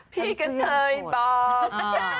พี่กระเทยบอก